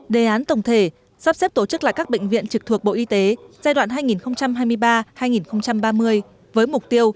đề án tổng thể sắp xếp tổ chức lại các bệnh viện trực thuộc bộ y tế giai đoạn hai nghìn hai mươi ba hai nghìn ba mươi với mục tiêu